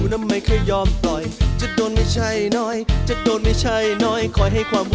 ทำการตลาดประโบสถิติค้าให้หน่อยนะครับ